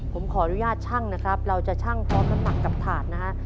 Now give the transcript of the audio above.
ผมขออนุญาตชั่งนะครับเราจะชั่งพร้อมน้ำหนักกับถาดนะฮะ